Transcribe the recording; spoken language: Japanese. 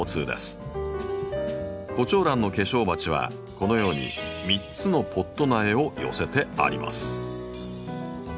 コチョウランの化粧鉢はこのように３つのポット苗を寄せてあります。